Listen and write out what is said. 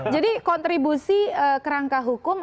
jadi kontribusi kerangka hukum